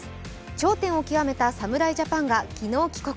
頂点を極めた侍ジャパンが昨日帰国。